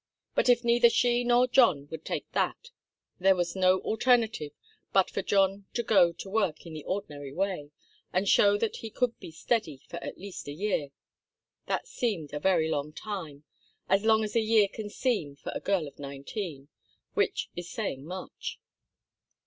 But if neither she nor John would take that, there was no alternative but for John to go to work in the ordinary way, and show that he could be steady for at least a year. That seemed a very long time as long as a year can seem to a girl of nineteen, which is saying much.